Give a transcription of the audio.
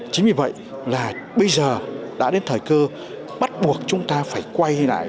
chính vì vậy là bây giờ đã đến thời cơ bắt buộc chúng ta phải quay lại